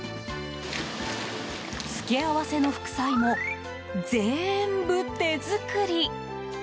付け合わせの副菜も全部手作り。